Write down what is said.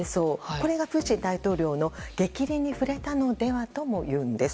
これがプーチン大統領の逆鱗に触れたのではないかともいうんです。